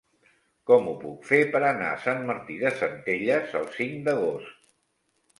Com ho puc fer per anar a Sant Martí de Centelles el cinc d'agost?